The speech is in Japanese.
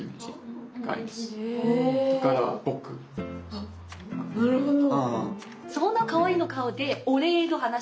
あなるほど。